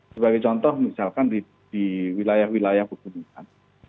sebagai contoh misalkan di wilayah wilayah pegunungan